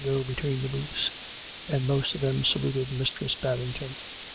223 go between the booths, and the most of them saluted Mis tress Babington.